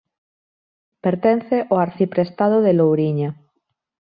Pertence ó arciprestado de Louriña.